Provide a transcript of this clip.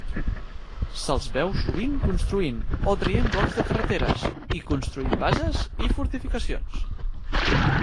Se'ls veu sovint construint o traient blocs de carreteres i construint bases i fortificacions.